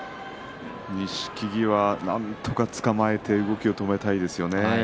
錦木はなんとかつかまえて動きを止めたいですよね。